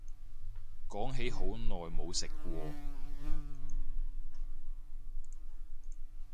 講起好耐冇食過